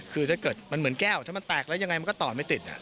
คือถ้าเกิดมันเหมือนแก้วถ้ามันแตกแล้วยังไงมันก็ต่อไม่ติด